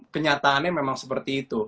kenyataannya memang seperti itu